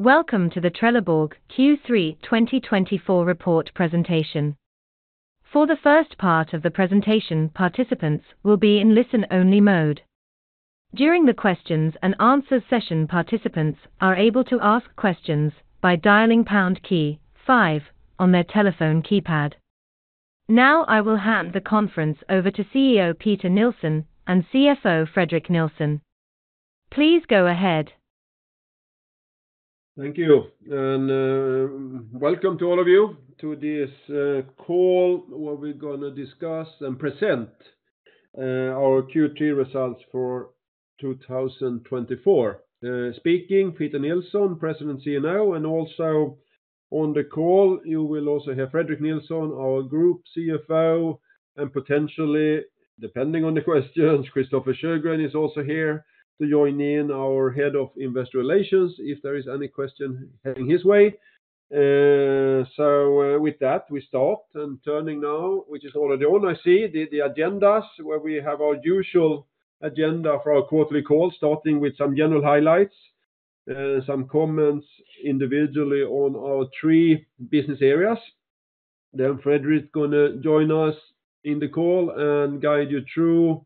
Welcome to the Trelleborg Q3 2024 report presentation. For the first part of the presentation, participants will be in listen-only mode. During the questions and answers session, participants are able to ask questions by dialing pound key five on their telephone keypad. Now, I will hand the conference over to CEO Peter Nilsson and CFO Fredrik Nilsson. Please go ahead. Thank you, and welcome to all of you to this call, where we're gonna discuss and present our Q3 results for 2024. Speaking, Peter Nilsson, President, CEO, and also on the call, you will also have Fredrik Nilsson, our Group CFO, and potentially, depending on the questions, Christofer Sjögren is also here to join in, our Head of Investor Relations, if there is any question heading his way. So, with that, we start and turning now, which is already on. I see the agendas, where we have our usual agenda for our quarterly call, starting with some general highlights, some comments individually on our three business areas. Then Fredrik is gonna join us in the call and guide you through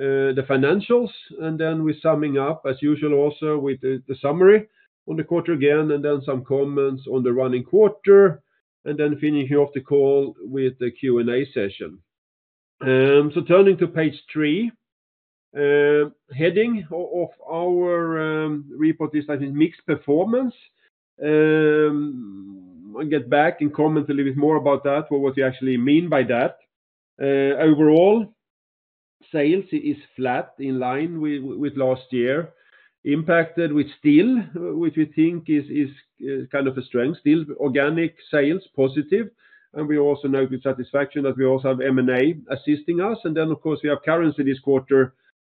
the financials, and then we're summing up, as usual, also with the summary on the quarter again, and then some comments on the running quarter, and then finishing off the call with the Q&A session. So turning to page three, heading of our report is, I think, mixed performance. I'll get back and comment a little bit more about that, for what we actually mean by that. Overall, sales is flat, in line with last year, impacted with Sealing, which we think is kind of a strength. Still organic sales positive, and we also note with satisfaction that we also have M&A assisting us, and then, of course, we have currency this quarter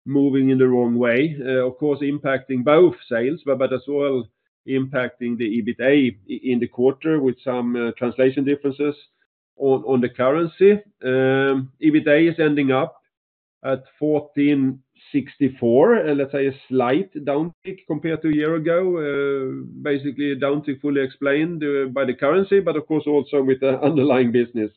moving in the wrong way, of course, impacting both sales, but as well, impacting the EBITA in the quarter with some translation differences on the currency. EBITA is ending up at 1,464, and let's say a slight down tick compared to a year ago, basically down to fully explained by the currency, but of course, also with the underlying business.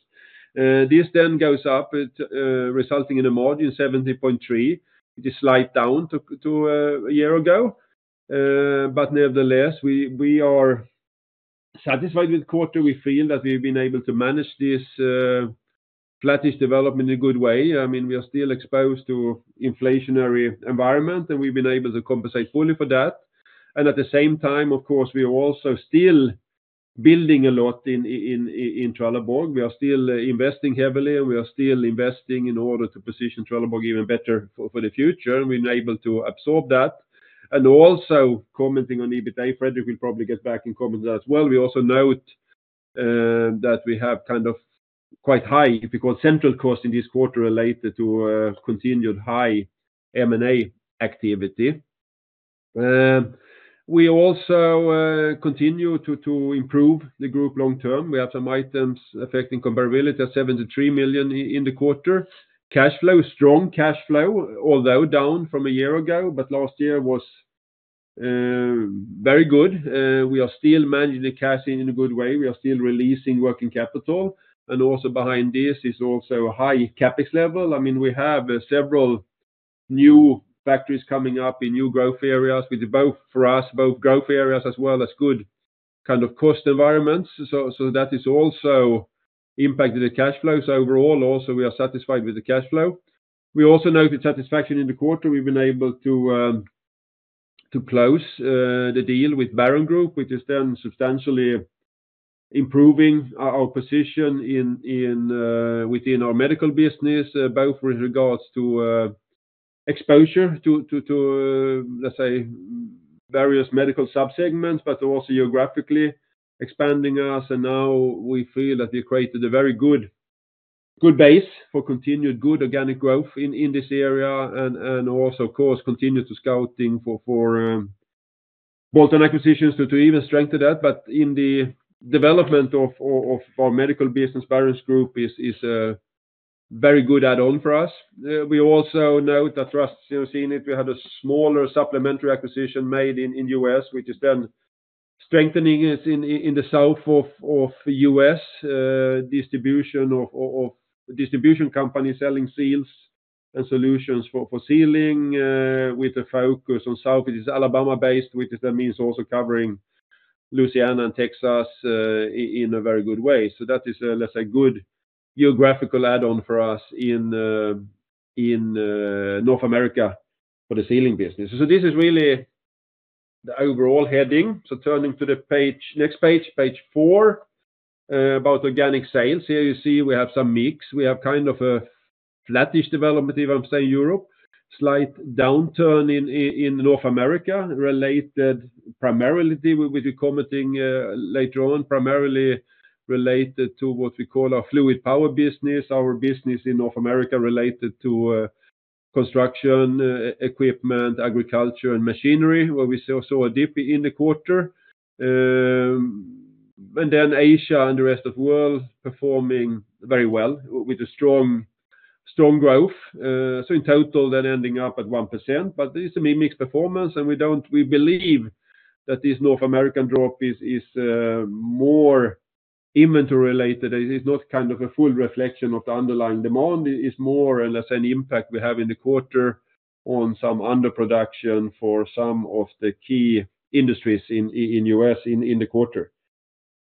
This then goes up, resulting in a margin 70.3%, which is slight down to a year ago. But nevertheless, we are satisfied with quarter. We feel that we've been able to manage this flattish development in a good way. I mean, we are still exposed to inflationary environment, and we've been able to compensate fully for that, and at the same time, of course, we are also still building a lot in Trelleborg. We are still investing heavily, and we are still investing in order to position Trelleborg even better for the future, and we're able to absorb that. Also commenting on EBITA, Fredrik will probably get back in comment as well. We also note that we have kind of quite high, because central cost in this quarter related to continued high M&A activity. We also continue to improve the group long term. We have some items affecting comparability at 73 million in the quarter. Cash flow, strong cash flow, although down from a year ago, but last year was very good. We are still managing the cash in a good way. We are still releasing working capital, and also behind this is also a high CapEx level. I mean, we have several new factories coming up in new growth areas with both, for us, both growth areas as well as good kind of cost environments. So that is also impacted the cash flows. Overall, also, we are satisfied with the cash flow. We also note the satisfaction in the quarter. We've been able to to close the deal with Baron Group, which is then substantially improving our position in within our medical business both with regards to exposure to to let's say, various medical subsegments, but also geographically expanding us. And now we feel that we created a very good base for continued good organic growth in this area, and also, of course, continue to scout for bolt-on acquisitions to even strengthen that. But in the development of our medical business, Baron Group is a very good add-on for us. We also note that for us, you know, seeing it, we had a smaller supplementary acquisition made in U.S., which is then strengthening us in the South of U.S., distribution company selling seals and solutions for sealing, with a focus on South. It is Alabama-based, which means also covering Louisiana and Texas, in a very good way. So that is, let's say, good geographical add-on for us in North America for the sealing business. This is really the overall heading. Turning to the page, next page, page four, about organic sales. Here you see we have some mix. We have kind of a flattish development in Europe. Slight downturn in North America, related primarily. We'll be commenting later on, primarily related to what we call our fluid power business, our business in North America related to construction equipment, agriculture, and machinery, where we saw a dip in the quarter. Then Asia and the rest of world performing very well with a strong growth. In total, then ending up at 1%, but this is a mixed performance, and we don't believe that this North American drop is more inventory related. It is not kind of a full reflection of the underlying demand. It's more or less an impact we have in the quarter on some underproduction for some of the key industries in the U.S., in the quarter.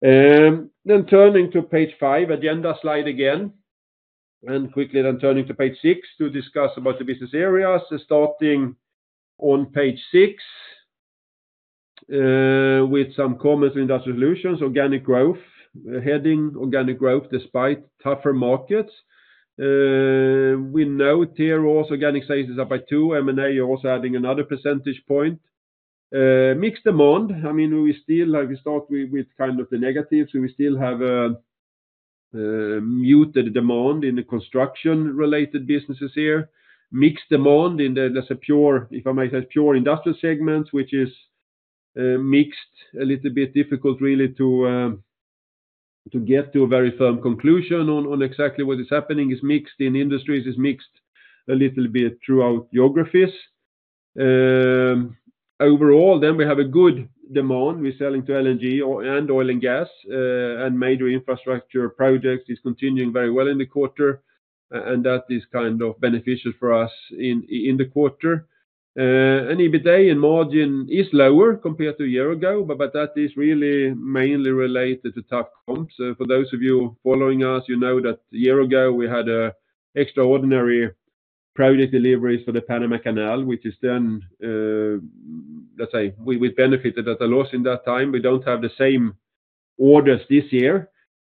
Then turning to page five, agenda slide again, and quickly then turning to page six to discuss about the business areas. Starting on page six, with some comments in Industrial Solutions, organic growth, heading organic growth despite tougher markets. We note here also organic sales is up by 2%, M&A also adding another percentage point. Mixed demand, I mean, we still, like we start with, with kind of the negatives. We still have a muted demand in the construction-related businesses here. Mixed demand in the, let's say, pure, if I may say, pure industrial segments, which is mixed, a little bit difficult really to get to a very firm conclusion on exactly what is happening. It's mixed in industries, it's mixed a little bit throughout geographies. Overall, then we have a good demand. We're selling to LNG and oil and gas, and major infrastructure projects is continuing very well in the quarter, and that is kind of beneficial for us in the quarter, and EBITA margin is lower compared to a year ago, but that is really mainly related to tough comps. For those of you following us, you know that a year ago we had an extraordinary project delivery for the Panama Canal, which is then, let's say, we benefited at a loss in that time. We don't have the same orders this year,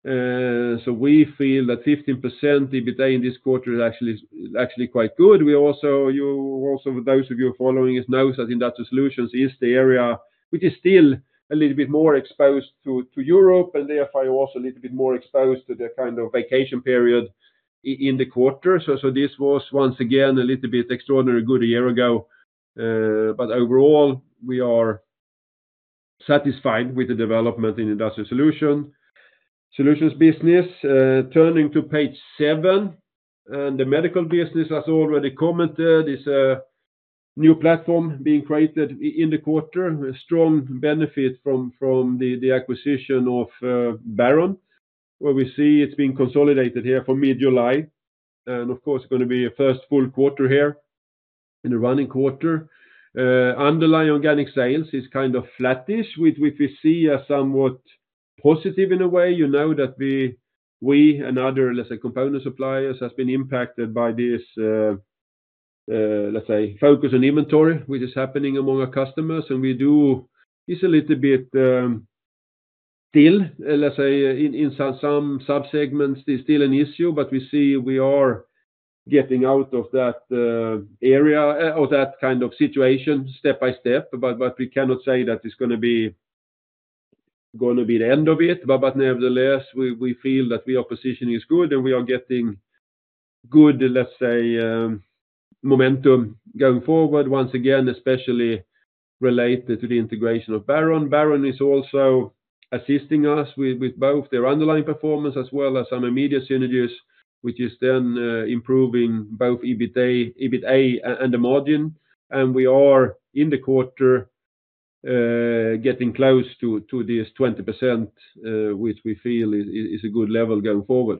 so we feel that 15% EBITA in this quarter is actually quite good. You also, those of you following us, knows that Industrial Solutions is the area which is still a little bit more exposed to Europe, and therefore, you're also a little bit more exposed to the kind of vacation period in the quarter, so this was once again a little bit extraordinary good a year ago. But overall, we are satisfied with the development in Industrial Solutions business. Turning to page 7 and the medical business, as already commented, is a new platform being created in the quarter. A strong benefit from the acquisition of Baron, where we see it's being consolidated here for mid-July. Of course, it's gonna be a first full quarter here in the running quarter. Underlying organic sales is kind of flattish, which we see as somewhat positive in a way. You know that we and other, let's say, component suppliers, has been impacted by this, let's say, focus on inventory, which is happening among our customers. It's a little bit still, let's say, in some subsegments, it's still an issue, but we see we are getting out of that area or that kind of situation step by step. But we cannot say that it's gonna be the end of it, but nevertheless, we feel that we are positioning is good, and we are getting good, let's say, momentum going forward. Once again, especially related to the integration of Baron. Baron is also assisting us with both their underlying performance as well as some immediate synergies, which is then improving both EBITA and the margin. We are in the quarter getting close to this 20%, which we feel is a good level going forward.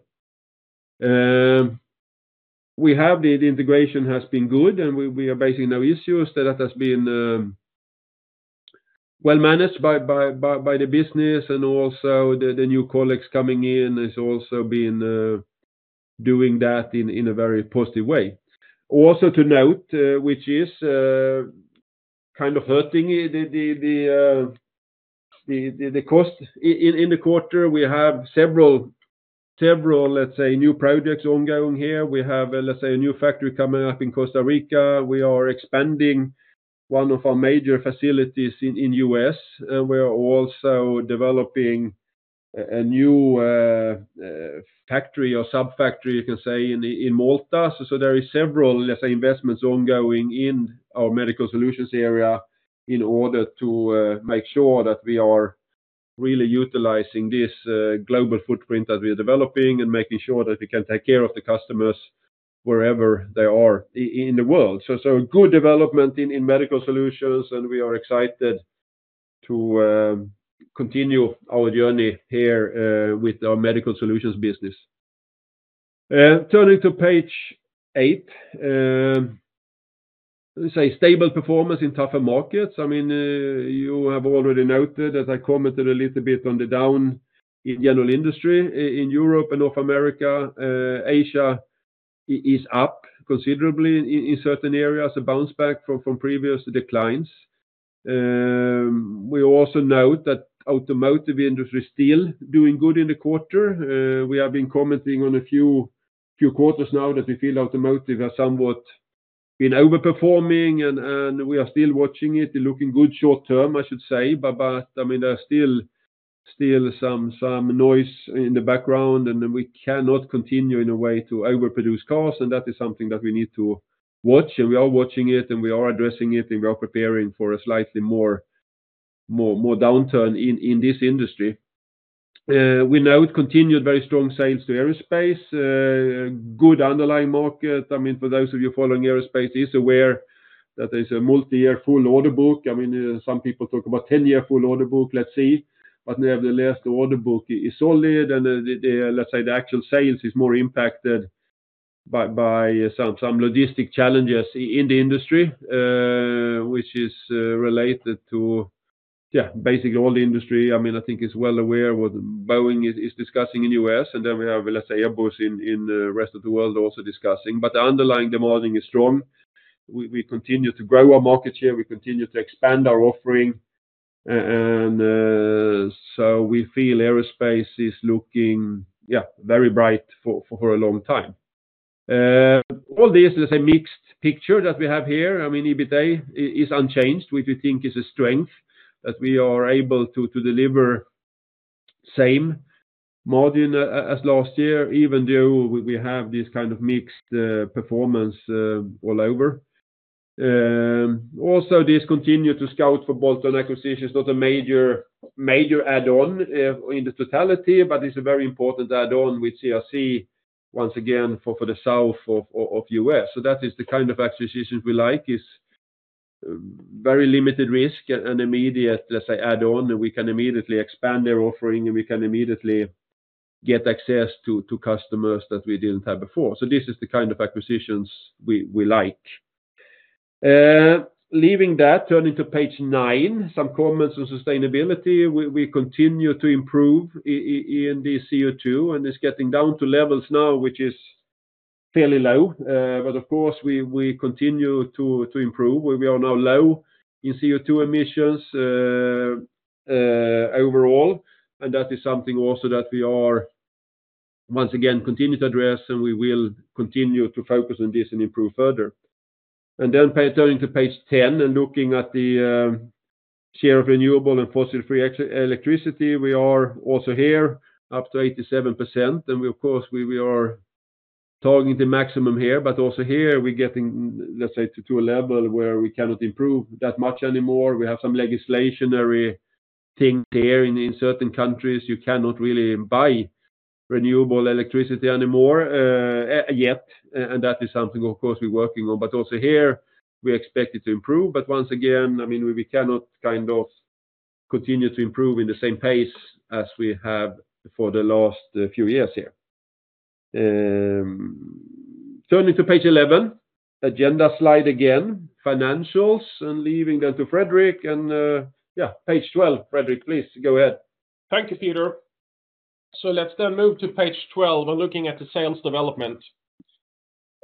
The integration has been good, and we are facing no issues. That has been well managed by the business and also the new colleagues coming in has also been doing that in a very positive way. Also to note, which is kind of hurting the cost in the quarter, we have several, let's say, new projects ongoing here. We have, let's say, a new factory coming up in Costa Rica. We are expanding one of our major facilities in U.S., and we are also developing a new factory or sub-factory, you can say, in Malta. So there is several, let's say, investments ongoing in our medical solutions area in order to make sure that we are really utilizing this global footprint that we are developing and making sure that we can take care of the customers wherever they are in the world. So good development in medical solutions, and we are excited to continue our journey here with our medical solutions business. Turning to page eight, let's say stable performance in tougher markets. I mean, you have already noted, as I commented a little bit on the downturn in general industry in Europe and North America. Asia is up considerably in certain areas, a bounce back from previous declines. We also note that automotive industry is still doing good in the quarter. We have been commenting on a few quarters now that we feel automotive has somewhat been overperforming, and we are still watching it, looking good short term, I should say. But I mean, there are still some noise in the background, and then we cannot continue in a way to overproduce cars, and that is something that we need to watch, and we are watching it, and we are addressing it, and we are preparing for a slightly more downturn in this industry. We note continued very strong sales to aerospace, good underlying market. I mean, for those of you following aerospace is aware that there's a multi-year full order book. I mean, some people talk about ten-year full order book, let's see, but nevertheless, the order book is solid, and the, let's say, the actual sales is more impacted by some logistical challenges in the industry, which is related to basically all the industry. I mean, I think is well aware what Boeing is discussing in U.S., and then we have, let's say, Airbus in the rest of the world also discussing, but the underlying demand is strong. We continue to grow our market share, we continue to expand our offering, and so we feel aerospace is looking very bright for a long time. All this is a mixed picture that we have here. I mean, EBITA is unchanged, which we think is a strength, that we are able to to deliver same margin as last year, even though we have this kind of mixed performance all over. Also, we continue to scout for bolt-on acquisitions, not a major add-on in the totality, but it's a very important add-on with CRC, once again, for the south of U.S. So that is the kind of acquisitions we like, is very limited risk and immediate, let's say, add-on, and we can immediately expand their offering, and we can immediately get access to customers that we didn't have before. So this is the kind of acquisitions we like. Leaving that, turning to page nine, some comments on sustainability. We continue to improve in the CO2, and it's getting down to levels now, which is fairly low. But of course, we continue to improve. We are now low in CO2 emissions overall, and that is something also that we are once again continue to address, and we will continue to focus on this and improve further. And then turning to page 10 and looking at the share of renewable and fossil-free electricity, we are also here up to 87%, and of course, we are targeting the maximum here, but also here we're getting, let's say, to a level where we cannot improve that much anymore. We have some legislative things here. In certain countries, you cannot really buy renewable electricity anymore yet, and that is something, of course, we're working on. But also here, we expect it to improve, but once again, I mean, we cannot kind of continue to improve in the same pace as we have for the last few years here. Turning to page eleven, agenda slide again, financials, and leaving that to Fredrik, and, yeah, page twelve. Fredrik, please, go ahead. Thank you, Peter. So let's then move to page 12, and looking at the sales development.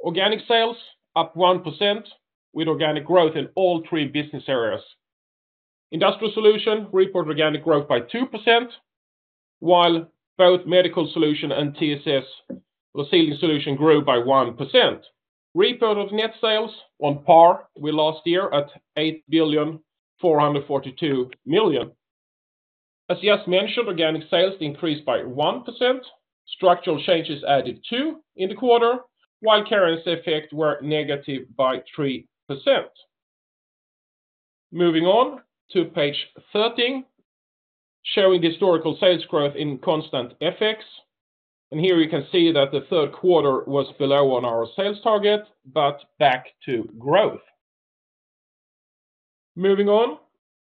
Organic sales up 1%, with organic growth in all three business areas. Industrial Solutions reported organic growth by 2%, while both Medical Solutions and TSS Sealing Solutions grew by 1%. Reported net sales on par with last year at 8,442 million. As just mentioned, organic sales increased by 1%, structural changes added 2% in the quarter, while currency effects were negative by 3%. Moving on to page 13, showing historical sales growth in constant FX. And here you can see that the third quarter was below our sales target, but back to growth. Moving on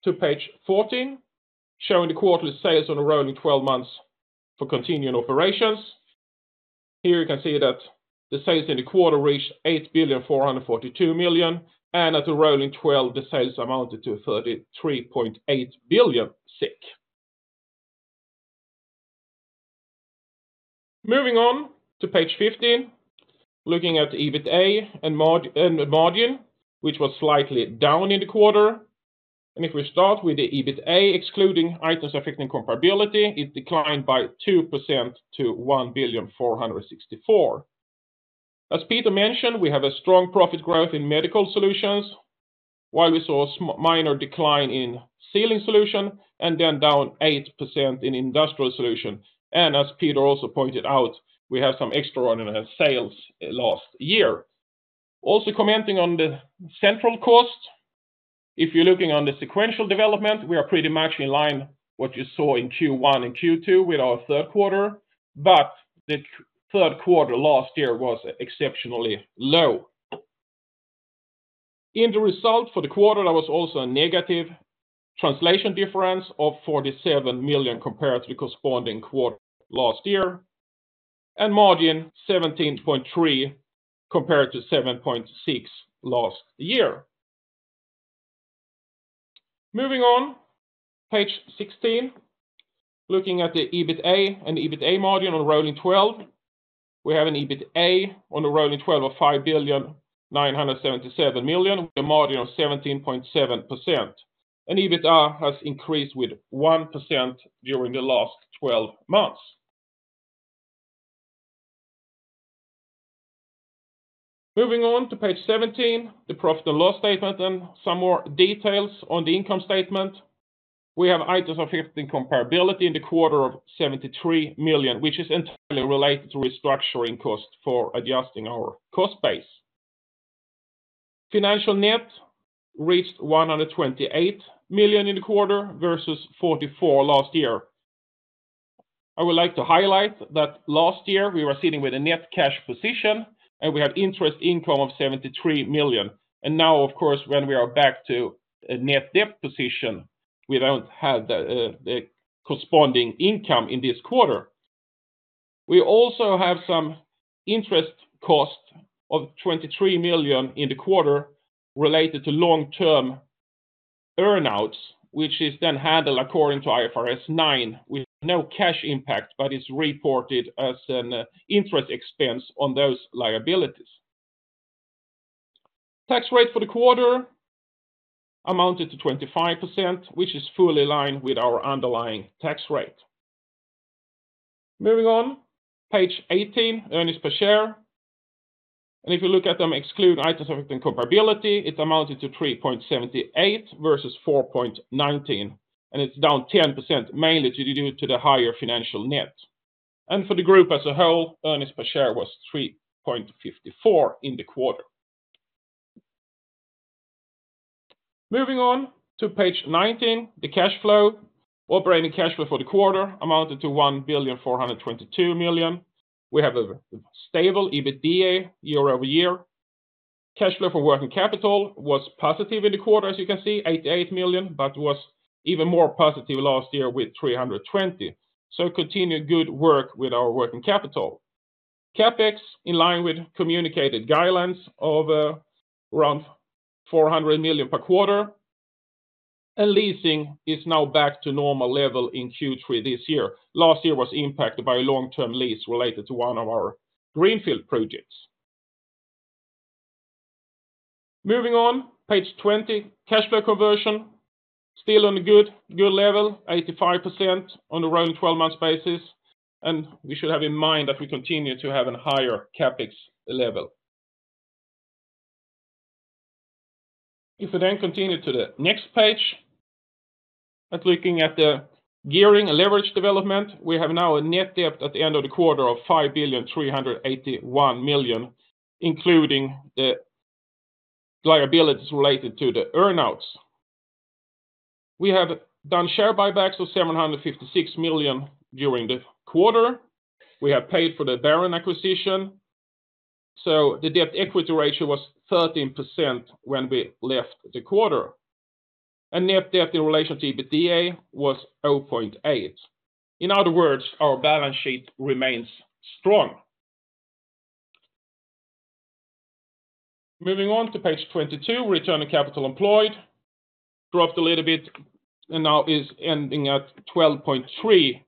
to page 14, showing the quarterly sales on the rolling 12 months for continuing operations. Here you can see that the sales in the quarter reached 8.442 billion, and at the rolling twelve, the sales amounted to 33.8 billion. Moving on to page 15, looking at the EBITDA and margin, which was slightly down in the quarter. If we start with the EBITDA, excluding items affecting comparability, it declined by 2% to 1.464 billion. As Peter mentioned, we have a strong profit growth in Medical Solutions, while we saw a minor decline in Sealing Solutions and then down 8% in Industrial Solutions. As Peter also pointed out, we have some extraordinary sales last year. Also commenting on the central cost, if you're looking on the sequential development, we are pretty much in line what you saw in Q1 and Q2 with our third quarter, but the third quarter last year was exceptionally low. In the result for the quarter, there was also a negative translation difference of 47 million compared to corresponding quarter last year, and margin 17.3% compared to 7.6% last year. Moving on, page 16, looking at the EBITDA and EBITDA margin on rolling twelve. We have an EBITDA on the rolling twelve of 5,977 million, with a margin of 17.7%, and EBITDA has increased with 1% during the last twelve months. Moving on to page 17, the profit and loss statement and some more details on the income statement. We have items affecting comparability in the quarter of 73 million, which is entirely related to restructuring costs for adjusting our cost base. Financial net reached 128 million in the quarter, versus 44 million last year. I would like to highlight that last year we were sitting with a net cash position, and we had interest income of 73 million. And now, of course, when we are back to a net debt position, we don't have the, the corresponding income in this quarter. We also have some interest cost of 23 million in the quarter related to long-term earn-outs, which is then handled according to IFRS 9, with no cash impact, but it's reported as an interest expense on those liabilities. Tax rate for the quarter amounted to 25%, which is fully in line with our underlying tax rate. Moving on, page eighteen, earnings per share. If you look at them, exclude items of comparability, it amounted to 3.78 versus 4.19, and it's down 10%, mainly due to the higher financial net. For the group as a whole, earnings per share was 3.54 in the quarter. Moving on to page nineteen, the cash flow. Operating cash flow for the quarter amounted to 1,422 million. We have a stable EBITDA year over year. Cash flow for working capital was positive in the quarter, as you can see, 88 million, but was even more positive last year with 320 million. So continued good work with our working capital. CapEx, in line with communicated guidelines of around 400 million per quarter, and leasing is now back to normal level in Q3 this year. Last year was impacted by a long-term lease related to one of our greenfield projects. Moving on, page 20, cash flow conversion, still on a good, good level, 85% on a rolling 12-month basis, and we should have in mind that we continue to have a higher CapEx level. If we then continue to the next page, and looking at the gearing and leverage development, we have now a net debt at the end of the quarter of 5 billion, 381 million, including the liabilities related to the earn-outs. We have done share buybacks of 756 million during the quarter. We have paid for the Baron Group acquisition, so the debt equity ratio was 13% when we left the quarter, and net debt in relation to EBITDA was 0.8. In other words, our balance sheet remains strong. Moving on to page 22, return on capital employed dropped a little bit and now is ending at 12.3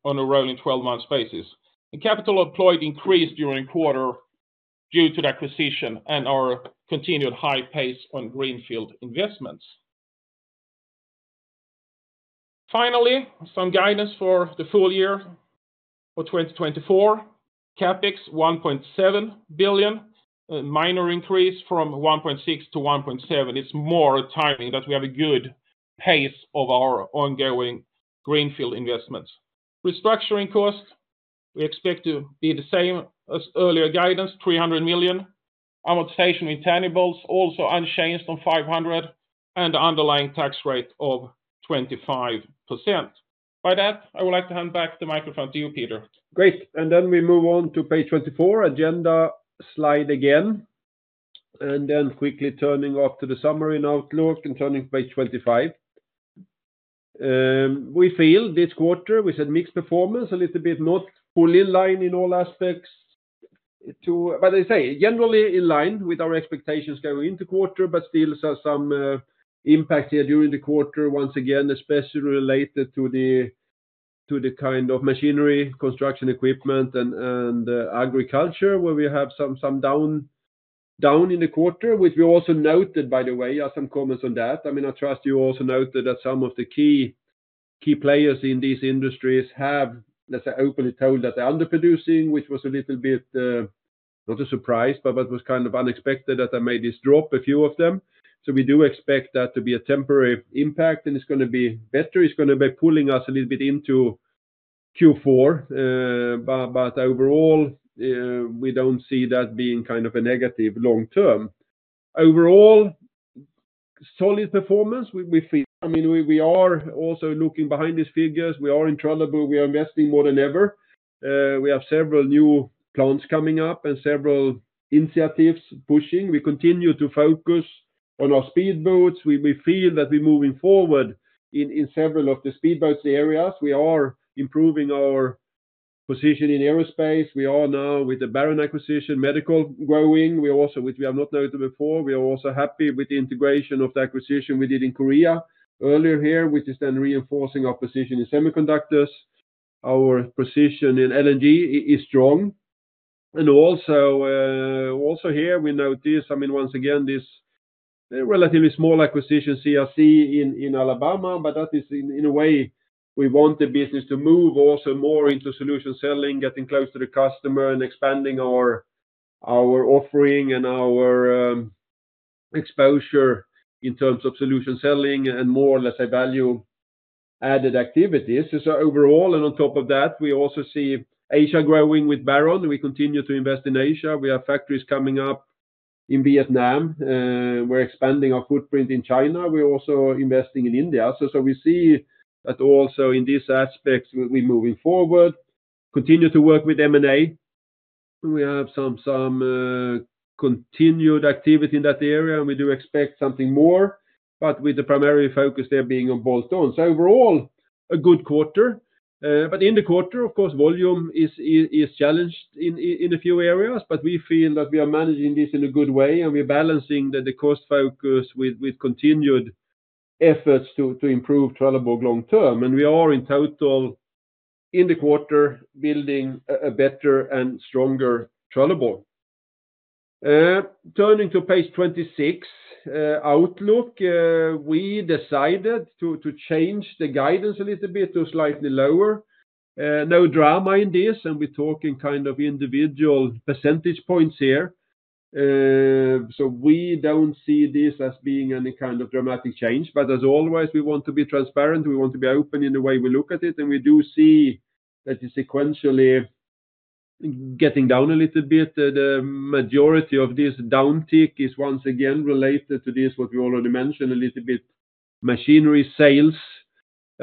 on a rolling twelve-month basis. And capital employed increased during quarter due to the acquisition and our continued high pace on greenfield investments. Finally, some guidance for the full year for 2024. CapEx 1.7 billion, a minor increase from 1.6 billion to 1.7 billion. It's more a timing, that we have a good pace of our ongoing greenfield investments. Restructuring costs, we expect to be the same as earlier guidance, 300 million. Amortization intangibles, also unchanged from 500 million, and underlying tax rate of 25%. By that, I would like to hand back the microphone to you, Peter. Great. And then we move on to page 24, agenda slide again, and then quickly turning off to the summary and outlook, and turning to page 25. We feel this quarter, we said mixed performance, a little bit, not fully in line in all aspects to. But I say, generally in line with our expectations going into quarter, but still some impact here during the quarter, once again, especially related to the kind of machinery, construction equipment and agriculture, where we have some down in the quarter, which we also noted, by the way, are some comments on that. I mean, I trust you also noted that some of the key, key players in these industries have, let's say, openly told that they're underproducing, which was a little bit not a surprise, but that was kind of unexpected that they made this drop, a few of them. So we do expect that to be a temporary impact, and it's gonna be better. It's gonna be pulling us a little bit into Q4, but overall, we don't see that being kind of a negative long term. Overall, solid performance, we feel. I mean, we are also looking behind these figures. We are in trouble. We are investing more than ever. We have several new plants coming up and several initiatives pushing. We continue to focus on our speedboats. We feel that we're moving forward in several of the speedboats areas. We are improving our position in aerospace. We are now, with the Baron acquisition, medical growing. We are also, which we have not noted before, we are also happy with the integration of the acquisition we did in Korea earlier here, which is then reinforcing our position in semiconductors. Our position in LNG is strong, and also here, we notice, I mean, once again, this relatively small acquisition, CRC, in Alabama, but that is in a way, we want the business to move also more into solution selling, getting close to the customer, and expanding our exposure in terms of solution selling and more or less a value-added activity, so overall, and on top of that, we also see Asia growing with Baron. We continue to invest in Asia. We have factories coming up in Vietnam, we're expanding our footprint in China. We're also investing in India. So we see that also in this aspect, we'll be moving forward, continue to work with M&A. We have continued activity in that area, and we do expect something more, but with the primary focus there being on bolt-ons. So overall, a good quarter, but in the quarter, of course, volume is challenged in a few areas, but we feel that we are managing this in a good way, and we're balancing the cost focus with continued efforts to improve Trelleborg long term. We are, in total, in the quarter, building a better and stronger Trelleborg. Turning to page twenty-six, outlook, we decided to change the guidance a little bit to slightly lower. No drama in this, and we're talking kind of individual percentage points here. So we don't see this as being any kind of dramatic change, but as always, we want to be transparent, we want to be open in the way we look at it, and we do see that sequentially getting down a little bit. The majority of this downtick is once again related to this, what we already mentioned a little bit, machinery sales.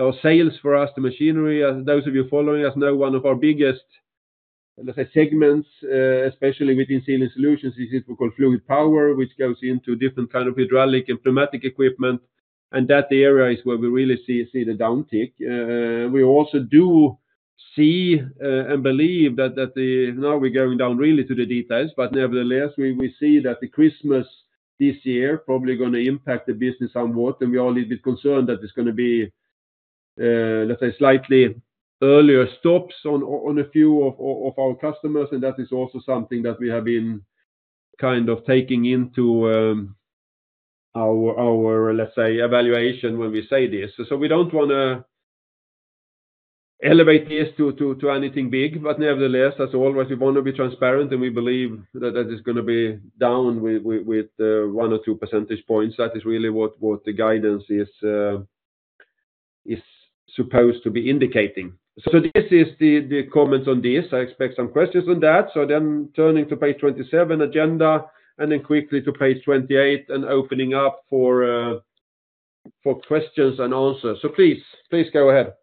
Our sales for us, the machinery, as those of you following us know, one of our biggest, let's say, segments, especially within Sealing Solutions, is what we call fluid power, which goes into different kind of hydraulic and pneumatic equipment, and that area is where we really see the downtick. We also do see and believe that. Now we're going down really to the details, but nevertheless, we see that the Christmas this year probably gonna impact the business somewhat, and we are a little bit concerned that it's gonna be, let's say, slightly earlier stops on a few of our customers, and that is also something that we have been kind of taking into our let's say evaluation when we say this. So we don't wanna elevate this to anything big, but nevertheless, as always, we want to be transparent, and we believe that is gonna be down with one or two percentage points. That is really what the guidance is supposed to be indicating. So this is the comments on this. I expect some questions on that. So then turning to page 27, agenda, and then quickly to page 28, and opening up for questions and answers. So please go ahead.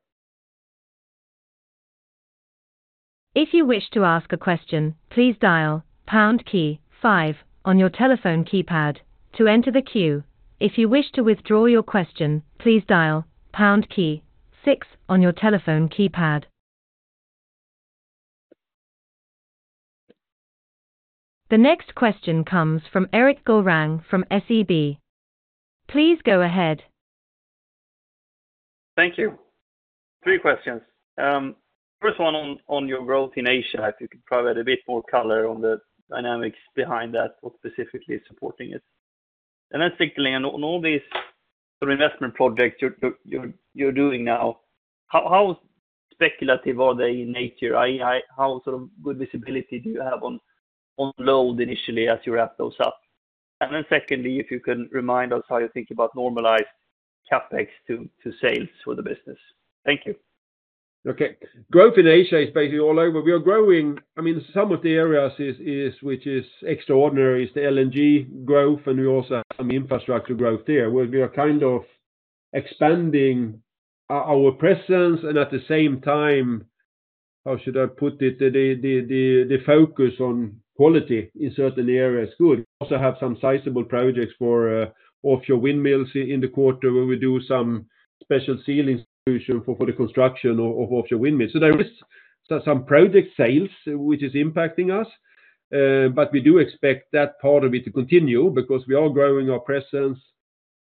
If you wish to ask a question, please dial pound key five on your telephone keypad to enter the queue. If you wish to withdraw your question, please dial pound key six on your telephone keypad. The next question comes from Erik Golrang from SEB. Please go ahead. Thank you. Three questions. First one on your growth in Asia, if you could provide a bit more color on the dynamics behind that, what specifically is supporting it. And then secondly, on all these sort of investment projects you're doing now, how speculative are they in nature? How sort of good visibility do you have on load initially as you wrap those up? And then secondly, if you can remind us how you think about normalized CapEx to sales for the business. Thank you. Okay. Growth in Asia is basically all over. We are growing. I mean, some of the areas is which is extraordinary is the LNG growth, and we also have some infrastructure growth there, where we are kind of expanding our presence, and at the same time, how should I put it? The focus on quality in certain areas is good. Also, have some sizable projects for offshore windmills in the quarter, where we do some special sealing solution for the construction of offshore windmills. So there is some project sales, which is impacting us, but we do expect that part of it to continue because we are growing our presence,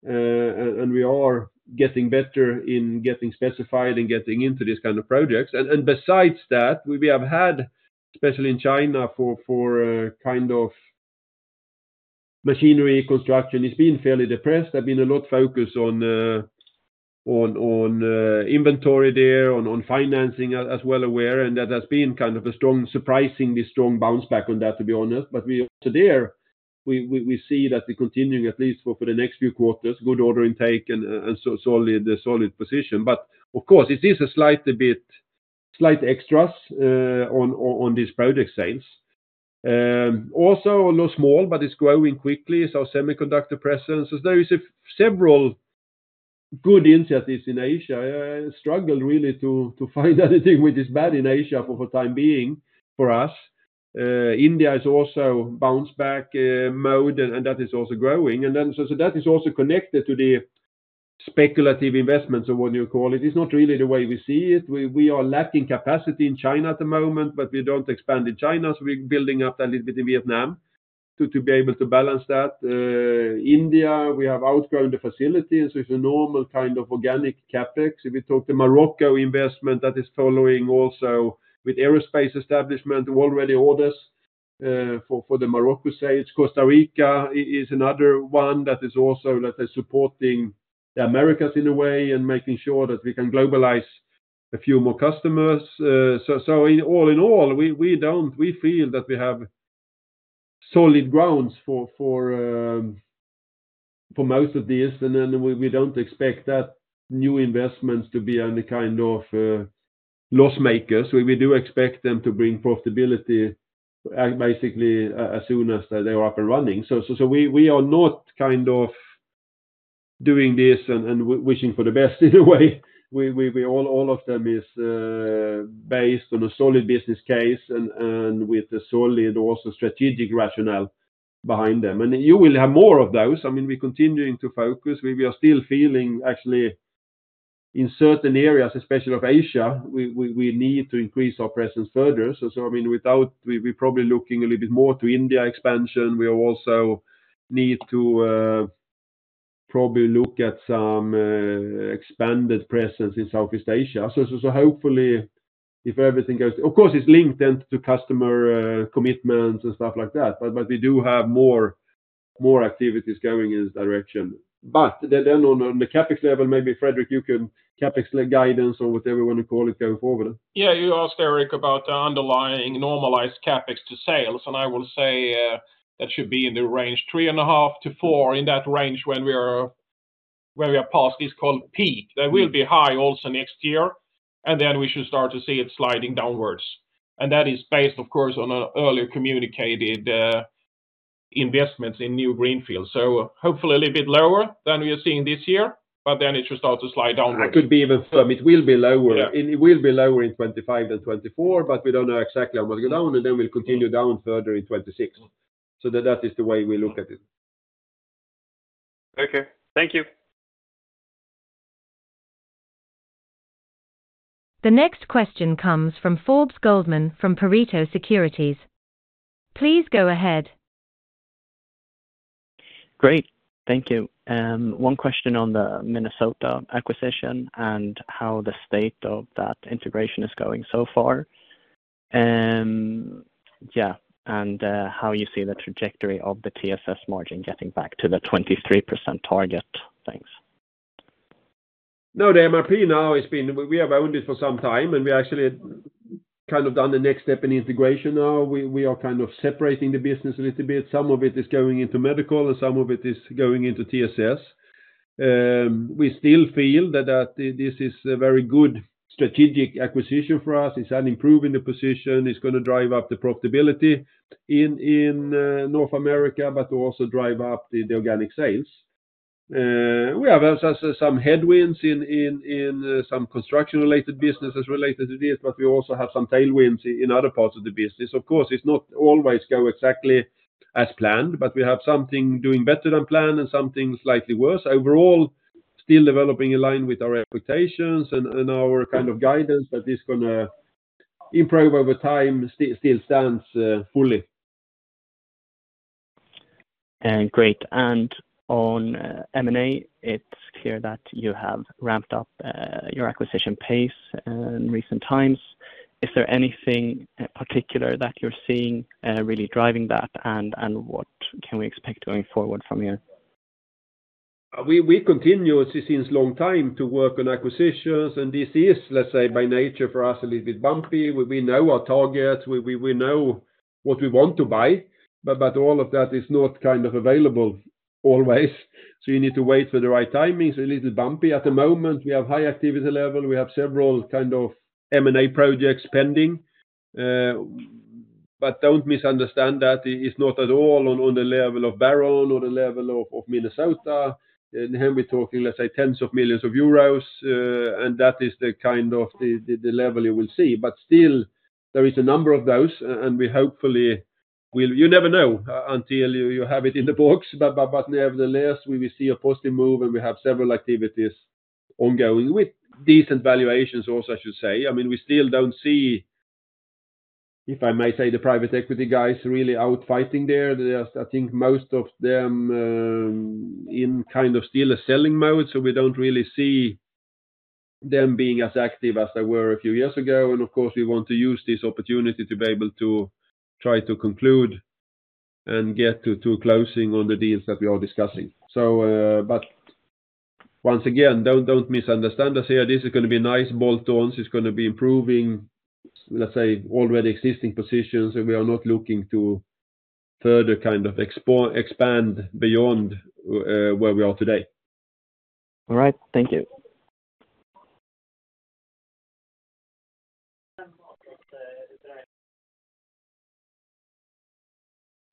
and we are getting better in getting specified and getting into these kind of projects. Besides that, we have had, especially in China, for a kind of machinery construction, it's been fairly depressed. There's been a lot of focus on the inventory there, on financing as you're aware, and that has been kind of a strong, surprisingly strong bounce back on that, to be honest. But also there, we see the continuing, at least for the next few quarters, good order intake and so solidifying the solid position. But of course, it is a slight bit, slight exposure on this project sales. Also a little small, but it's growing quickly, so semiconductor presence. So there is several good initiatives in Asia. I struggle really to find anything which is bad in Asia for the time being for us. India is also bounce back mode, and that is also growing. That is also connected to the speculative investments or what you call it. It's not really the way we see it. We are lacking capacity in China at the moment, but we don't expand in China, so we're building up a little bit in Vietnam to be able to balance that. India, we have outgrown the facilities, so it's a normal kind of organic CapEx. If you took the Morocco investment, that is following also with aerospace establishment, already orders for the Morocco stage. Costa Rica is another one that is also supporting the Americas in a way, and making sure that we can globalize a few more customers. So all in all, we feel that we have solid grounds for most of this, and then we don't expect that new investments to be any kind of loss makers. We do expect them to bring profitability, basically, as soon as they are up and running. So we are not kind of doing this and wishing for the best in a way. All of them is based on a solid business case and with a solid also strategic rationale behind them. And you will have more of those. I mean, we're continuing to focus. We are still feeling, actually, in certain areas, especially of Asia, we need to increase our presence further. So, I mean, we're probably looking a little bit more to India expansion. We also need to probably look at some expanded presence in Southeast Asia. So, hopefully, if everything goes, of course, it's linked then to customer commitments and stuff like that, but we do have more activities going in this direction. But then on the CapEx level, maybe, Fredrik, you can CapEx guidance or whatever you want to call it, going forward. Yeah, you asked, Erik, about the underlying normalized CapEx to sales, and I will say that should be in the range three and a half to four, in that range when we are past this called peak. That will be high also next year, and then we should start to see it sliding downwards. And that is based, of course, on an earlier communicated investments in new greenfield. So hopefully a little bit lower than we are seeing this year, but then it should start to slide downward. It could be even firmer. It will be lower- Yeah. It will be lower in 2025 than 2024, but we don't know exactly how it will go down, and then we'll continue down further in 2026. So that is the way we look at it. Okay, thank you. The next question comes from Forbes Goldman from Pareto Securities. Please go ahead. Great, thank you. One question on the Minnesota acquisition and how the state of that integration is going so far, and how you see the trajectory of the TSS margin getting back to the 23% target. Thanks. No, the MRP now has been, we have owned it for some time, and we actually kind of done the next step in integration now. We are kind of separating the business a little bit. Some of it is going into medical, and some of it is going into TSS. We still feel that this is a very good strategic acquisition for us. It's an improvement in the position. It's gonna drive up the profitability in North America, but to also drive up the organic sales. We have also some headwinds in some construction-related businesses related to this, but we also have some tailwinds in other parts of the business. Of course, it's not always go exactly as planned, but we have something doing better than planned and something slightly worse. Overall, still developing in line with our expectations and our kind of guidance, that is gonna improve over time, still stands fully. Great. And on M&A, it's clear that you have ramped up your acquisition pace in recent times. Is there anything in particular that you're seeing really driving that? And what can we expect going forward from here? We continue, for a long time, to work on acquisitions, and this is, let's say, by nature, for us, a little bit bumpy. We know our targets. We know what we want to buy, but all of that is not kind of available always. So you need to wait for the right timing. It's a little bumpy at the moment. We have high activity level. We have several kind of M&A projects pending. But don't misunderstand, that is not at all on the level of Baron or the level of Minnesota. Here we're talking, let's say, tens of millions of euros, and that is the kind of the level you will see. But still, there is a number of those, and we hopefully will. You never know until you have it in the books. Nevertheless, we will see a positive move, and we have several activities ongoing with decent valuations also, I should say. I mean, we still don't see, if I may say, the private equity guys really out fighting there. There's, I think most of them, in kind of still a selling mode, so we don't really see them being as active as they were a few years ago. And of course, we want to use this opportunity to be able to try to conclude and get to closing on the deals that we are discussing. So, but once again, don't misunderstand us here. This is gonna be a nice bolt-ons, it's gonna be improving, let's say, already existing positions, and we are not looking to further kind of expand beyond where we are today. All right. Thank you.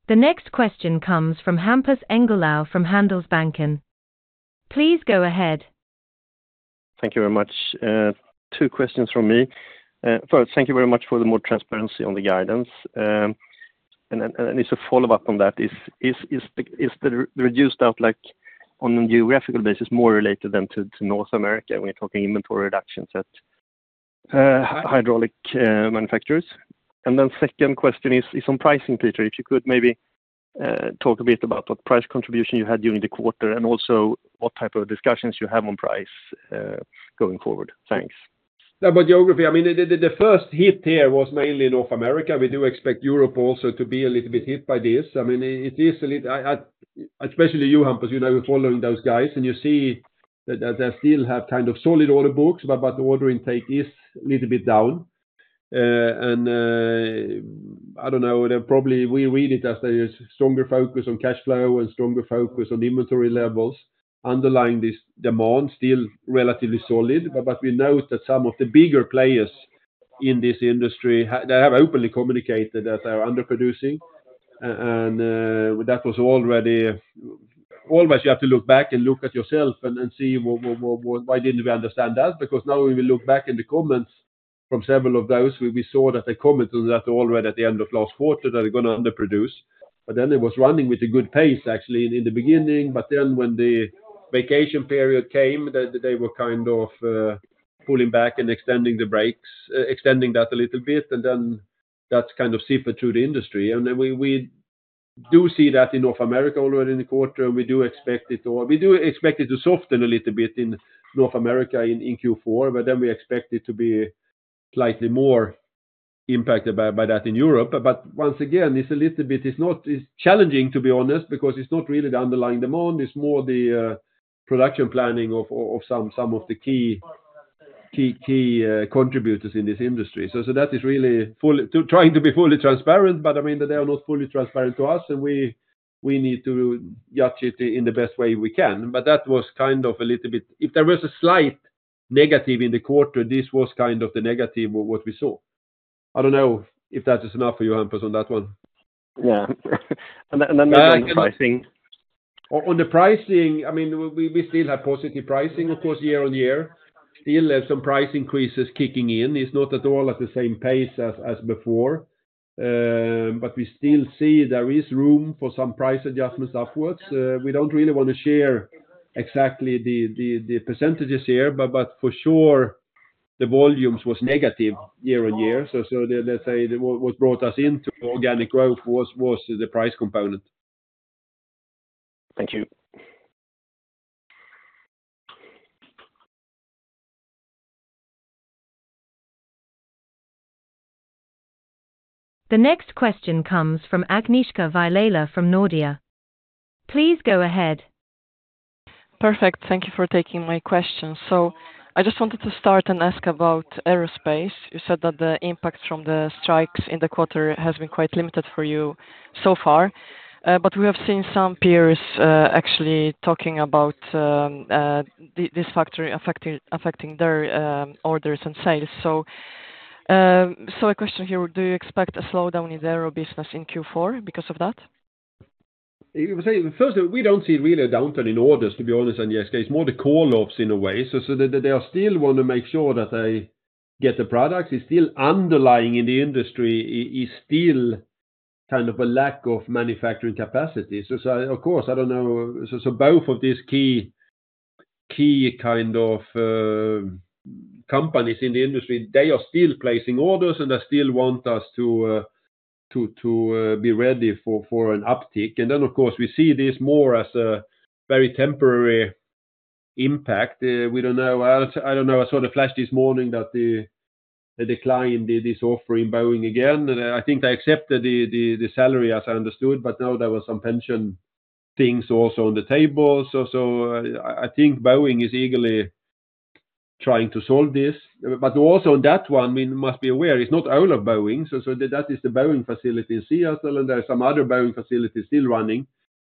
The next question comes from Hampus Engellau from Handelsbanken. Please go ahead. Thank you very much. Two questions from me. First, thank you very much for the more transparency on the guidance. And then, it's a follow-up on that, is the reduced outlook on a geographical basis more related to North America, we're talking inventory reductions at hydraulic manufacturers? And then second question is on pricing, Peter. If you could maybe talk a bit about what price contribution you had during the quarter, and also what type of discussions you have on price going forward. Thanks. Yeah, about geography, I mean, the first hit here was mainly in North America. We do expect Europe also to be a little bit hit by this. I mean, it is a little. I especially you, Hampus, you know, following those guys, and you see that they still have kind of solid order books, but the order intake is a little bit down. And I don't know, then probably we read it as there is stronger focus on cash flow and stronger focus on inventory levels underlying this demand, still relatively solid. But we note that some of the bigger players in this industry they have openly communicated that they are underproducing, and that was already always you have to look back and look at yourself and see why didn't we understand that? Because now we will look back in the comments from several of those. We saw that the comments on that already at the end of last quarter, that they're gonna underproduce. But then it was running with a good pace, actually, in the beginning, but then when the vacation period came, then they were kind of pulling back and extending the breaks, extending that a little bit, and then that's kind of seeped through the industry. And then we do see that in North America already in the quarter, and we do expect it to soften a little bit in North America in Q4, but then we expect it to be slightly more impacted by that in Europe. But once again, it's a little bit. It's not. It's challenging, to be honest, because it's not really the underlying demand. It's more the production planning of some of the key contributors in this industry. So that is really trying to be fully transparent, but I mean, they are not fully transparent to us, and we need to judge it in the best way we can. But that was kind of a little bit... If there was a slight negative in the quarter, this was kind of the negative of what we saw. I don't know if that is enough for you, Hampus, on that one. Yeah. And then the pricing. On the pricing, I mean, we still have positive pricing, of course, year on year. Still have some price increases kicking in. It's not at all at the same pace as before, but we still see there is room for some price adjustments upwards. We don't really want to share exactly the percentages here, but for sure, the volumes was negative year on year. So let's say, what brought us into organic growth was the price component. Thank you. The next question comes from Agnieszka Vilela from Nordea. Please go ahead. Perfect. Thank you for taking my question. So I just wanted to start and ask about aerospace. You said that the impact from the strikes in the quarter has been quite limited for you so far, but we have seen some peers actually talking about this factor affecting their orders and sales. So a question here, do you expect a slowdown in the aero business in Q4 because of that? I would say, firstly, we don't see really a downturn in orders, to be honest, Agnieszka. It's more the call-offs in a way. They still want to make sure that they get the products. It's still underlying in the industry. There is still kind of a lack of manufacturing capacity. Of course, I don't know. Both of these key kind of companies in the industry, they are still placing orders, and they still want us to be ready for an uptick. Then, of course, we see this more as a very temporary impact. We don't know. I don't know. I saw the flash this morning that they declined this offer from Boeing again, and I think they accepted the salary, as I understood, but now there was some pension things also on the table. So I think Boeing is eagerly trying to solve this. But also on that one, we must be aware, it's not all of Boeing. So that is the Boeing facility in Seattle, and there are some other Boeing facilities still running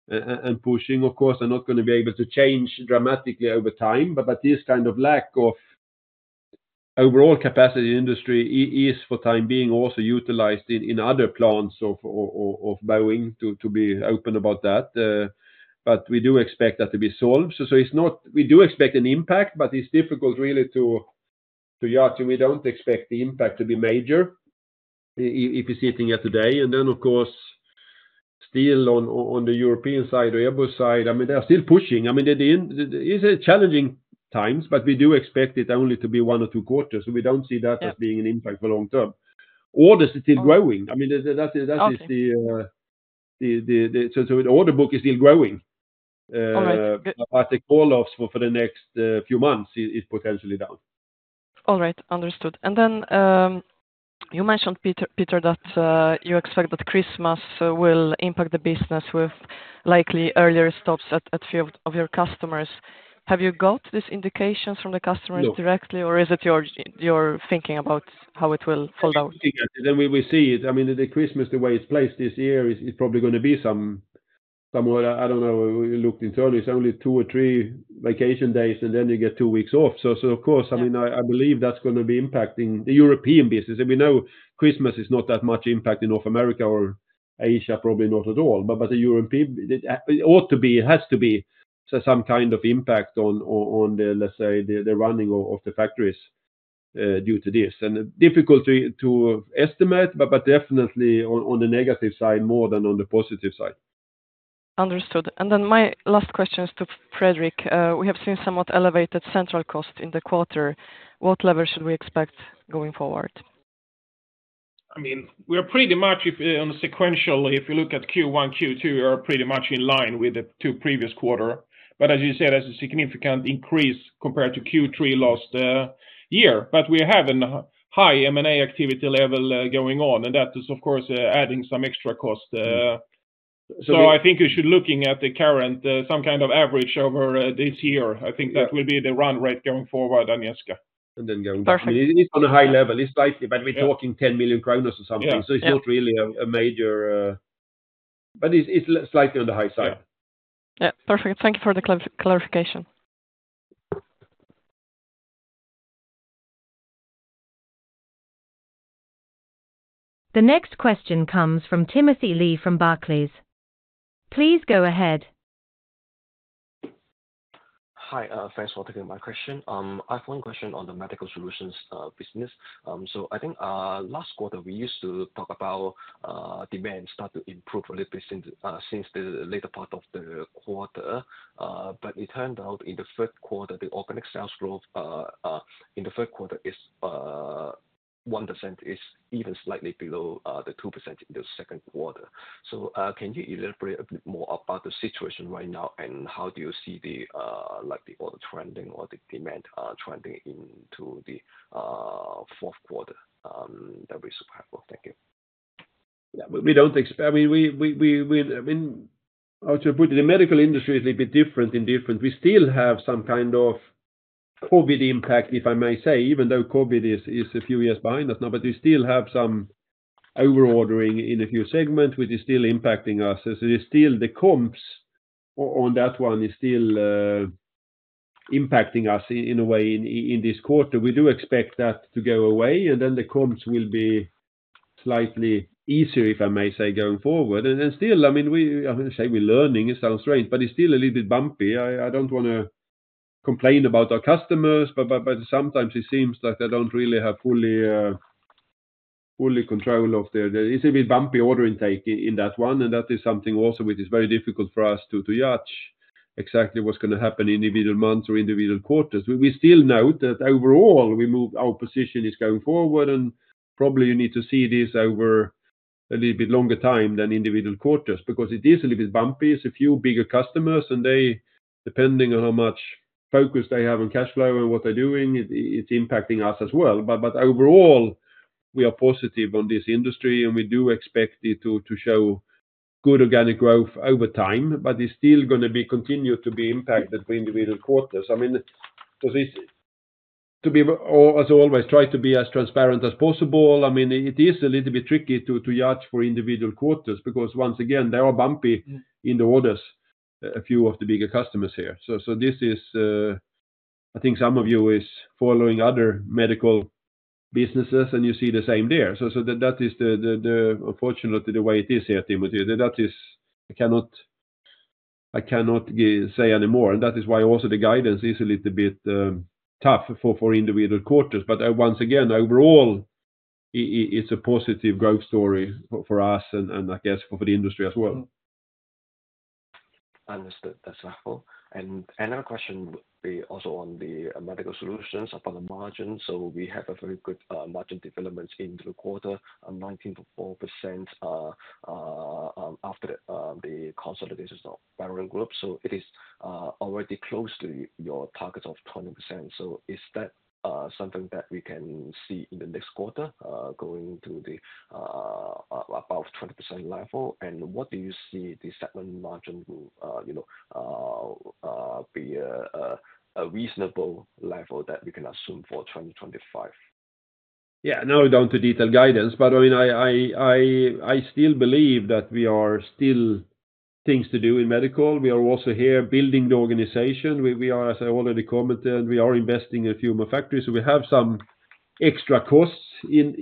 and pushing. Of course, they're not gonna be able to change dramatically over time, but this kind of lack of overall capacity in industry is, for the time being, also utilized in other plants of Boeing, to be open about that. But we do expect that to be solved. So, it's not. We do expect an impact, but it's difficult really to judge, and we don't expect the impact to be major if it's hitting it today. And then, of course, still on the European side, the Airbus side, I mean, they are still pushing. I mean, it's a challenging times, but we do expect it only to be one or two quarters, so we don't see that. Yeah... as being an impact for long term. Orders are still growing. I mean, that is, that is the, Okay So the order book is still growing. All right, but- But the call-offs for the next few months is potentially down. All right. Understood. And then, you mentioned, Peter, that you expect that Christmas will impact the business with likely earlier stops at few of your customers. Have you got these indications from the customers? No... directly, or is it your thinking about how it will fold out? Then we see it. I mean, the Christmas, the way it's placed this year, is probably gonna be somewhat. I don't know, we looked internally. It's only two or three vacation days, and then you get two weeks off. So of course- Yeah... I mean, I believe that's gonna be impacting the European business. And we know Christmas is not that much impact in North America or Asia, probably not at all. But the European, it ought to be, it has to be some kind of impact on the running of the factories due to this. And difficult to estimate, but definitely on the negative side more than on the positive side. Understood. And then my last question is to Fredrik. We have seen somewhat elevated central cost in the quarter. What level should we expect going forward? I mean, we are pretty much flat on a sequential basis, if you look at Q1, Q2, we are pretty much in line with the two previous quarters. But as you said, that's a significant increase compared to Q3 last year. But we have a high M&A activity level going on, and that is, of course, adding some extra cost.... So I think you should looking at the current, some kind of average over, this year. I think that will be the run rate going forward, Agnieszka. And then going- Perfect. It is on a high level. It's slightly, but we're talking 10 million kronor or something. Yeah. So it's not really a major. But it's slightly on the high side. Yeah. Yeah, perfect. Thank you for the clarification. The next question comes from Timothy Lee from Barclays. Please go ahead. Hi, thanks for taking my question. I have one question on the Medical Solutions business. So I think, last quarter, we used to talk about, demand start to improve a little bit since, since the later part of the quarter. But it turned out in the third quarter, the organic sales growth, in the third quarter is, 1% is even slightly below, the 2% in the second quarter. So, can you elaborate a bit more about the situation right now, and how do you see the, like the order trending or the demand, trending into the, fourth quarter, that we support? Thank you. Yeah, we don't expect. I mean, how to put it, the medical industry is a little bit different in different. We still have some kind of COVID impact, if I may say, even though COVID is a few years behind us now. But we still have some over ordering in a few segments, which is still impacting us. So it is still the comps on that one is still impacting us in a way, in this quarter. We do expect that to go away, and then the comps will be slightly easier, if I may say, going forward. And then still, I mean, I'm gonna say we're learning, it sounds strange, but it's still a little bit bumpy. I don't want to complain about our customers, but sometimes it seems like they don't really have full control of their... It's a bit bumpy order intake in that one, and that is something also which is very difficult for us to judge exactly what's going to happen in individual months or individual quarters. We still note that overall, our position is going forward, and probably you need to see this over a little bit longer time than individual quarters, because it is a little bit bumpy. It's a few bigger customers, and they, depending on how much focus they have on cash flow and what they're doing, it's impacting us as well. But overall, we are positive on this industry, and we do expect it to show good organic growth over time, but it's still gonna be continued to be impacted for individual quarters. I mean, so as always, try to be as transparent as possible. I mean, it is a little bit tricky to judge for individual quarters, because once again, they are bumpy in the orders, a few of the bigger customers here. So this is, I think some of you is following other medical businesses, and you see the same there. So that is, unfortunately, the way it is here, Timothy. That is, I cannot say anymore, and that is why also the guidance is a little bit tough for individual quarters. But once again, overall, it's a positive growth story for us and I guess for the industry as well. Understood. That's helpful. And another question would be also on the Medical Solutions upon the margin. So we have a very good margin development in the quarter, 19.4%, after the consolidations of Baron Group. So it is already close to your target of 20%. So is that something that we can see in the next quarter, going to the above 20% level? And what do you see the segment margin will, you know, be a reasonable level that we can assume for 2025? Yeah, no down to detail guidance, but I mean, I still believe that there are still things to do in medical. We are also here building the organization. We are, as I already commented, we are investing in a few more factories, so we have some extra costs in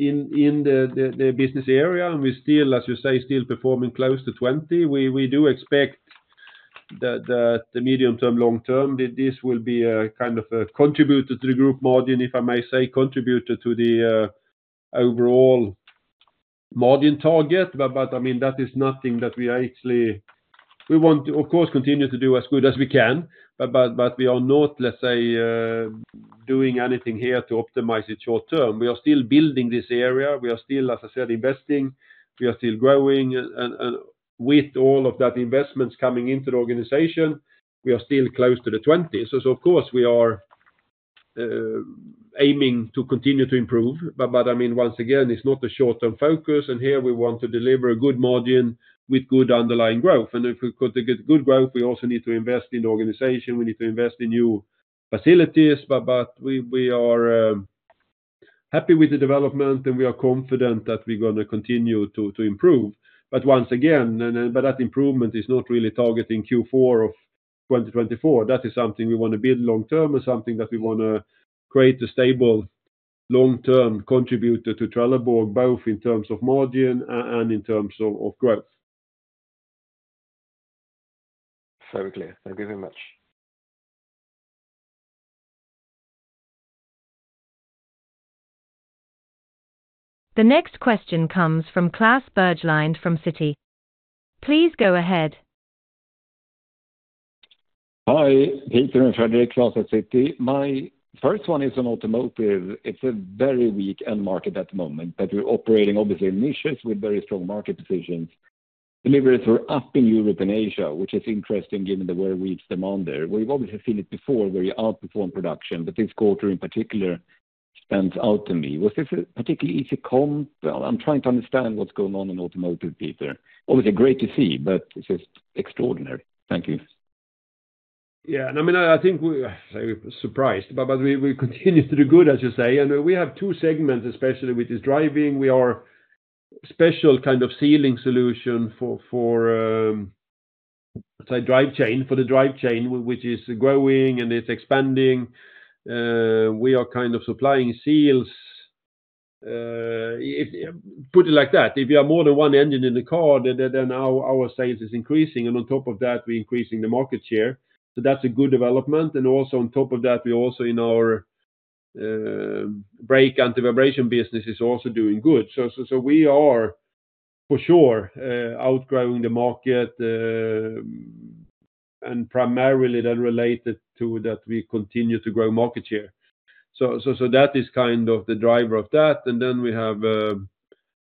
the business area, and we still, as you say, still performing close to twenty. We do expect that the medium term, long term, this will be a kind of a contributor to the group margin, if I may say, contributor to the overall margin target. But I mean, that is nothing that we are actually. We want to, of course, continue to do as good as we can, but we are not, let's say, doing anything here to optimize it short term. We are still building this area. We are still, as I said, investing. We are still growing, and with all of that investments coming into the organization, we are still close to the twenties, so of course, we are aiming to continue to improve, but I mean, once again, it's not a short-term focus, and here we want to deliver a good margin with good underlying growth, and if we've got to get good growth, we also need to invest in the organization. We need to invest in new facilities, but we are happy with the development, and we are confident that we're gonna continue to improve, but once again, that improvement is not really targeting Q4 of twenty twenty-four. That is something we wanna build long-term and something that we wanna create a stable long-term contributor to Trelleborg, both in terms of margin and in terms of growth. Very clear. Thank you very much. The next question comes from Klas Berglind, from Citi. Please go ahead. Hi, Peter and Fredrik, Klas at Citi. My first one is on automotive. It's a very weak end market at the moment, but you're operating obviously in niches with very strong market positions. Deliveries are up in Europe and Asia, which is interesting given the very weak demand there. We've obviously seen it before, where you outperform production, but this quarter in particular stands out to me. Was this a particularly easy comp? I'm trying to understand what's going on in automotive, Peter. Always great to see, but this is extraordinary. Thank you. Yeah, and I mean, I think we're surprised, but we continue to do good, as you say, and we have two segments, especially with this driving. We are special kind of sealing solution for drive chain, for the drive chain, which is growing and it's expanding. We are kind of supplying seals. If put it like that, if you have more than one engine in the car, then our sales is increasing, and on top of that, we're increasing the market share. So that's a good development. And also on top of that, we also in our brake anti-vibration business is also doing good. So we are, for sure, outgrowing the market, and primarily that related to that, we continue to grow market share. So that is kind of the driver of that. And then we have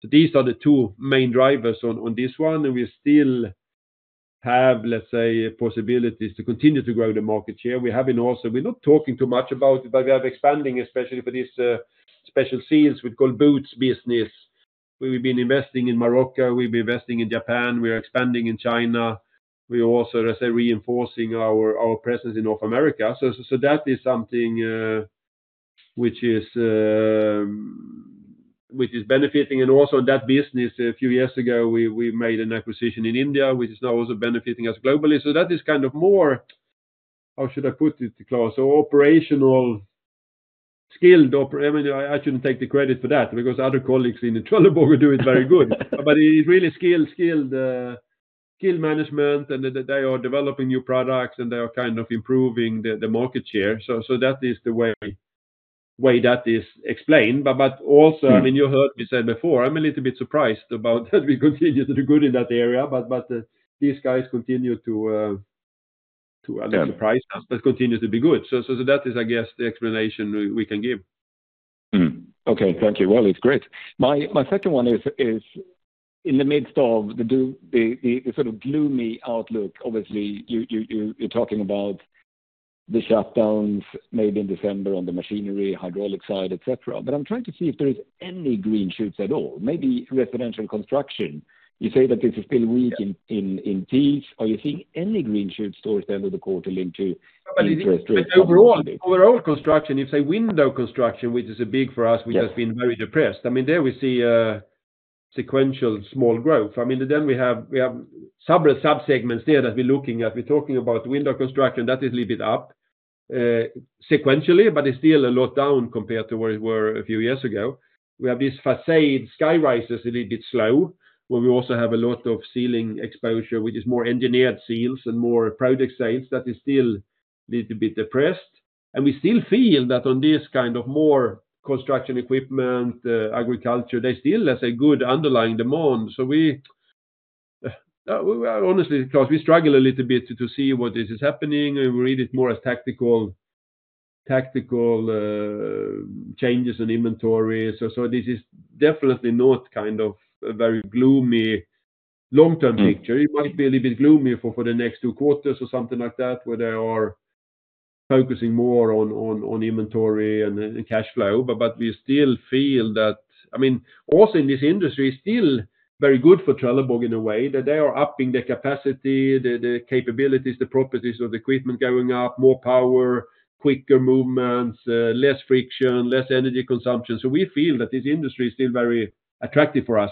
these are the two main drivers, and we still have, let's say, possibilities to continue to grow the market share. We have been also. We're not talking too much about, but we are expanding, especially for these special seals we call boots business. We've been investing in Morocco, we've been investing in Japan, we are expanding in China. We are also, let's say, reinforcing our presence in North America. So that is something which is benefiting. And also that business, a few years ago, we made an acquisition in India, which is now also benefiting us globally. So that is kind of more, how should I put it, Klas? So operational. I mean, I shouldn't take the credit for that because other colleagues in Trelleborg were doing very good. But it's really skilled management, and they are developing new products, and they are kind of improving the market share. So that is the way that is explained. But also, I mean, you heard me say before, I'm a little bit surprised about that we continue to do good in that area, but these guys continue to surprise us, but continues to be good. So that is, I guess, the explanation we can give. Okay, thank you. Well, it's great. My second one is in the midst of the gloomy outlook, obviously. You're talking about the shutdowns in December on the machinery hydraulic side, et cetera. But I'm trying to see if there is any green shoots at all, maybe residential construction. You say that this is still weak indeed. Are you seeing any green shoots towards the end of the quarter linked to interest rates? But overall, overall construction, if say, window construction, which is a big for us, which has been very depressed. I mean, there we see a sequential small growth. I mean, then we have separate subsegments there that we're looking at. We're talking about window construction, that is a little bit up sequentially, but it's still a lot down compared to where it were a few years ago. We have this façade, skyscrapers, a little bit slow, where we also have a lot of sealing exposure, which is more engineered seals and more product sales. That is still a little bit depressed. And we still feel that on this kind of more construction equipment, agriculture, there's still, let's say, good underlying demand. So, honestly, Klas, we struggle a little bit to see what this is happening, and we read it more as tactical changes in inventory. So this is definitely not kind of a very gloomy long-term picture. It might be a little bit gloomy for the next two quarters or something like that, where they are focusing more on inventory and cash flow. But we still feel that, I mean, also in this industry is still very good for Trelleborg in a way, that they are upping their capacity, the capabilities, the properties of the equipment going up, more power, quicker movements, less friction, less energy consumption. So we feel that this industry is still very attractive for us.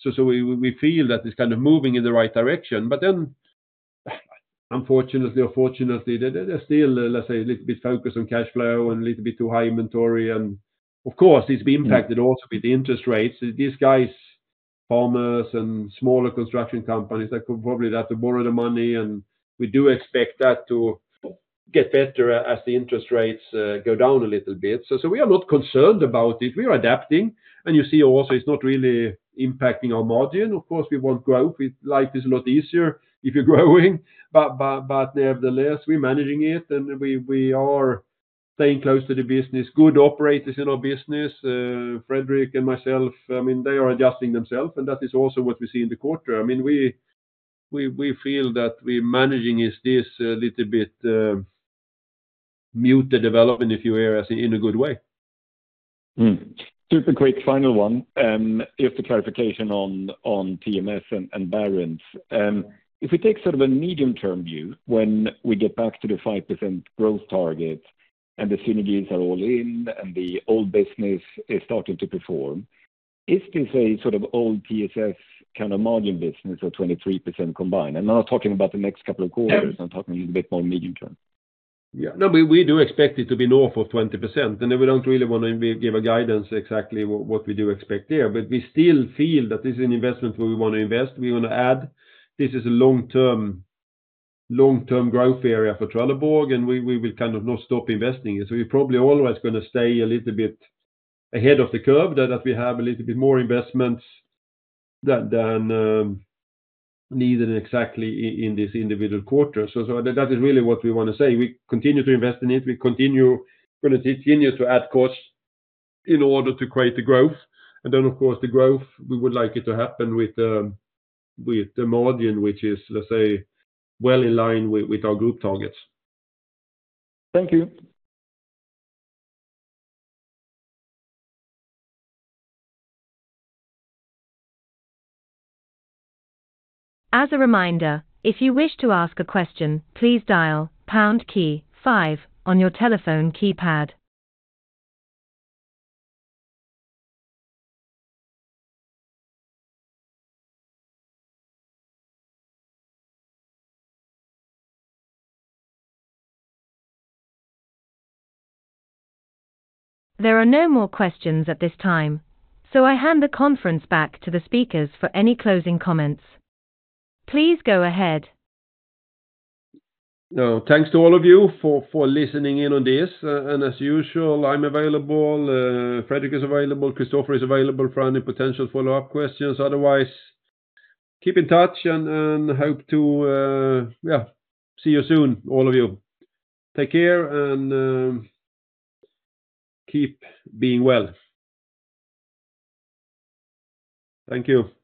So we feel that it's kind of moving in the right direction, but then, unfortunately or fortunately, there's still, let's say, a little bit focused on cash flow and a little bit too high inventory. And of course, it's been impacted also with the interest rates. These guys, farmers and smaller construction companies, that could probably have to borrow the money, and we do expect that to get better as the interest rates go down a little bit. So we are not concerned about it. We are adapting, and you see also it's not really impacting our margin. Of course, we want growth. Life is a lot easier if you're growing, but nevertheless, we're managing it, and we are staying close to the business, good operators in our business, Fredrik and myself. I mean, they are adjusting themselves, and that is also what we see in the quarter. I mean, we feel that we're managing this a little bit to mute the development, if you will, as in a good way. Super quick, final one, just a clarification on TMS and Baron. If we take sort of a medium-term view, when we get back to the 5% growth target and the synergies are all in, and the old business is starting to perform, is this a sort of old TSS kind of margin business or 23% combined? I'm not talking about the next couple of quarters, I'm talking a bit more medium term. Yeah. No, we do expect it to be north of 20%, and then we don't really want to give guidance exactly what we do expect there, but we still feel that this is an investment where we want to invest. We want to add, this is a long-term, long-term growth area for Trelleborg, and we will kind of not stop investing. So we're probably always gonna stay a little bit ahead of the curve, that we have a little bit more investments than needed exactly in this individual quarter. So that is really what we want to say. We continue to invest in it. We're gonna continue to add costs in order to create the growth. And then, of course, the growth, we would like it to happen with the margin, which is, let's say, well in line with our group targets. Thank you. As a reminder, if you wish to ask a question, please dial pound key five on your telephone keypad. There are no more questions at this time, so I hand the conference back to the speakers for any closing comments. Please go ahead. Thanks to all of you for listening in on this, and as usual, I'm available, Fredrik is available, Christofer is available for any potential follow-up questions. Otherwise, keep in touch and hope to see you soon, all of you. Take care and keep being well. Thank you.